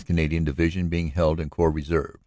Canadian Division being held in Corps Reserve.